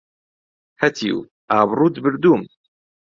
هەتیو ئابڕووت بردووم!